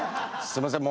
すいません。